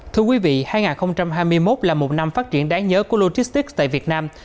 thưa quý vị hai nghìn hai mươi một là một năm phát triển đáng nhớ của logistics tại việt nam